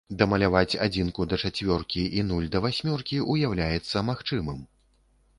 Дамаляваць адзінку да чацвёркі і нуль да васьмёркі ўяўляецца магчымым.